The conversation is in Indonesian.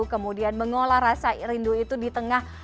kemudian mengolah rasa rindu itu di tengah